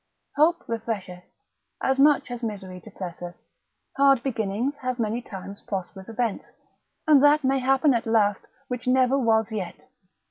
Hope refresheth, as much as misery depresseth; hard beginnings have many times prosperous events, and that may happen at last which never was yet.